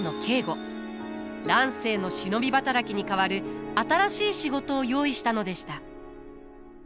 乱世の忍び働きに代わる新しい仕事を用意したのでした。